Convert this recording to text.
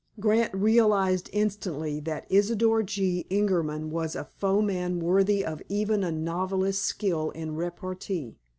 Grant realized instantly that Isidor G. Ingerman was a foeman worthy of even a novelist's skill in repartee.